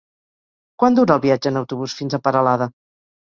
Quant dura el viatge en autobús fins a Peralada?